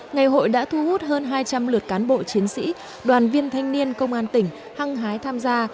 ngày hội đã thu hút hơn hai trăm linh lượt cán bộ chiến sĩ đoàn viên thanh niên công an tỉnh hăng hái tham gia